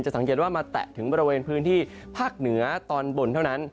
สังเกตว่ามาแตะถึงบริเวณพื้นที่ภาคเหนือตอนบนเท่านั้น